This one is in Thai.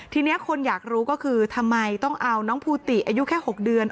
ทีนี้คนอยากรู้ก็คือทำไมต้องเอาน้องภูติอายุแค่๖เดือน